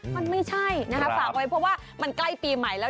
มันไม่ใช่นะคะฝากไว้เพราะว่ามันใกล้ปีใหม่แล้ว